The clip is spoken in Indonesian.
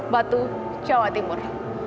batu jawa timur